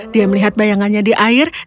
dia melihat bayangannya di air dan menangis